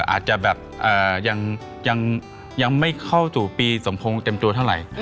อาจจะแบบยังไม่เข้าสู่ปีสมพงษ์เต็มตัวเท่าไหร่